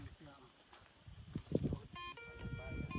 ไม่เอาแต่แบบนี้